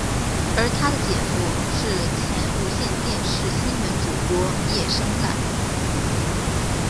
而他的姐夫是前无线电视新闻主播叶升瓒。